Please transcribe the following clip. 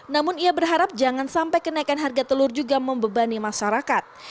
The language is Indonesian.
namun ia berharap jangan sampai kenaikan harga telur juga membebani masyarakat